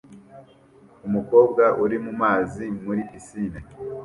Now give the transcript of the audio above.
Umukobwa uri mumazi muri pisine